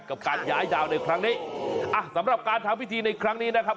กับการย้ายดาวในครั้งนี้อ่ะสำหรับการทำพิธีในครั้งนี้นะครับ